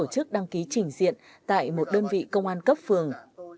công tác tổ chức đăng ký trình diện tại một đơn vị công an cấp phường